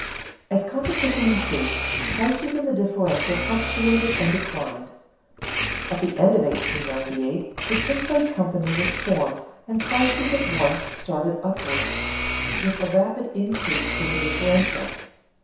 As competition increased, prices and the differential fluctuated and declined. At the end of 1898 the tin plate company was formed and prices at once started upward with a rapid increase in the differential.